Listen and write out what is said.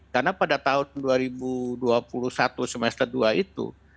karena pada tahun dua ribu dua puluh satu semester dua itu